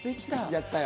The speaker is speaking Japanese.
やったよ。